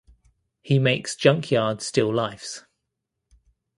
He makes junkyard still lifes.